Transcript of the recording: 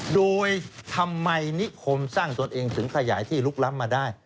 โดยทำไมนิคมสร้างตนเองถึงขยายที่ลุกล้ำมาได้